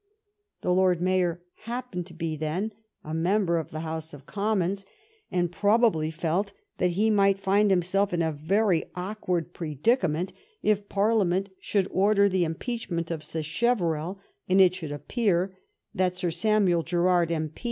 The Lord Mayor happened to be then a member of the House of Commons, and probably felt that he might find himself in a very awkward predicament if Parliament should order the impeach ment of Sacheverell, and it should appear that Sir Samuel Gerard, M.